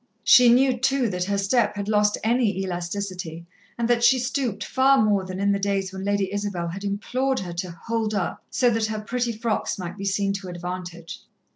She knew, too, that her step had lost any elasticity, and that she stooped far more than in the days when Lady Isabel had implored her to "hold up" so that her pretty frocks might be seen to advantage.